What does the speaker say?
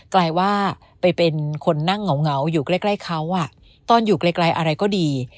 ลายว่าไปเป็นคนนั่งเหงาอยู่ใกล้เขาตอนอยู่ไกลอะไรก็ดี